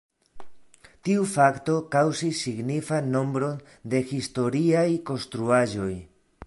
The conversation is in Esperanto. Tiu fakto kaŭzis signifan nombron de historiaj konstruaĵoj.